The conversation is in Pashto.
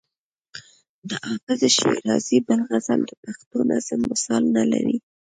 د حافظ شیرازي بل غزل د پښتو نظم مثال نه لري.